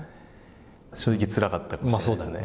正直、つらかったかもしれないですね。